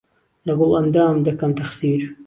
له گوڵئەندام دهکهم تهخسير